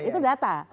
nah itu data